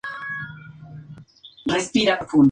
El Prof.